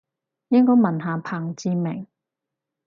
應該問下彭志銘